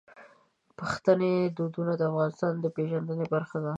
پښتني دودونه د افغانستان د پیژندنې برخه دي.